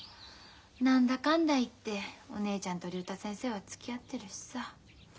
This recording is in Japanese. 何だかんだ言ってお姉ちゃんと竜太先生はつきあってるしさ。